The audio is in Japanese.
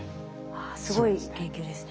すごい研究ですね。